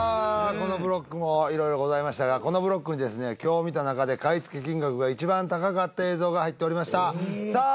このブロックも色々ございましたがこのブロックにですね今日見た中で買い付け金額が一番高かった映像が入っておりましたさあ